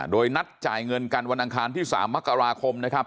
โดยนัดจ่ายเงินกันวันอังคารที่๓มกราคมนะครับ